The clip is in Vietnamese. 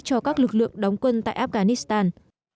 cho các lực lượng đóng quân tại afghanistan